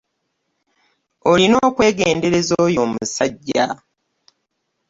Olina okwegendereza oyo omusajja.